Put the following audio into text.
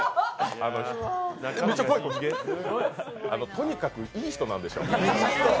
とにかくいい人なんでしょうね。